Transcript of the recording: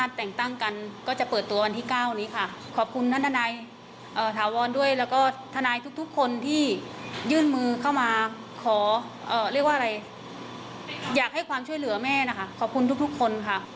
เรียกว่าอะไรอยากให้ความช่วยเหลือแม่นะคะขอบคุณทุกคนค่ะ